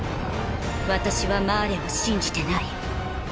私はマーレを信じてない。